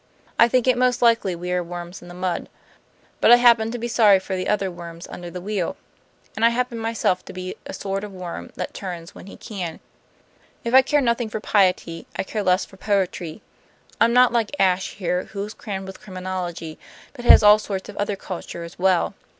I think it most likely we are worms in the mud; but I happen to be sorry for the other worms under the wheel. And I happen myself to be a sort of worm that turns when he can. If I care nothing for piety, I care less for poetry. I'm not like Ashe here, who is crammed with criminology, but has all sorts of other culture as well.